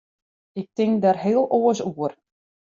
Ik tink der heel oars oer.